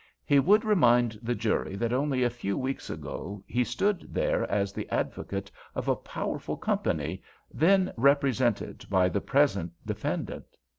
He would remind the jury that only a few weeks ago he stood there as the advocate of a powerful company, then represented by the present defendant.